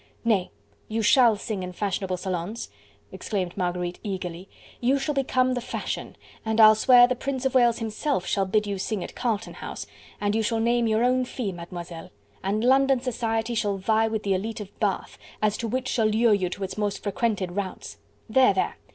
"Nay! you shall sing in fashionable salons," exclaimed Marguerite eagerly, "you shall become the fashion, and I'll swear the Prince of Wales himself shall bid you sing at Carlton House... and you shall name your own fee, Mademoiselle... and London society shall vie with the elite of Bath, as to which shall lure you to its most frequented routs.... There! there!